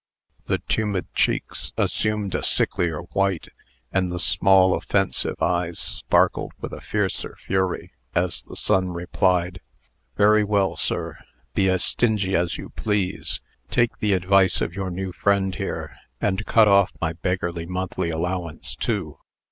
The tumid cheeks assumed a sicklier white, and the small, offensive eyes sparkled with a fiercer fury, as the son replied: "Very well, sir. Be as stingy as you please. Take the advice of your new friend here, and cut off my beggarly monthly allowance, too.